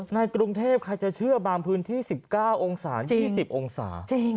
ในกรุงเทพใครจะเชื่อบางพื้นที่๑๙องศา๒๐องศา